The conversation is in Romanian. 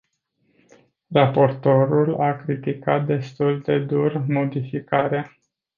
Raportorul a criticat destul de dur modificarea.